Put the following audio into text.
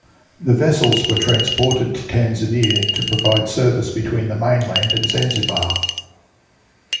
The vessels were transported to Tanzania to provide service between the mainland and Zanzibar.